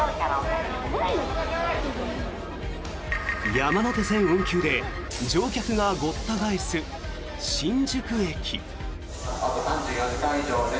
山手線運休で乗客がごった返す新宿駅。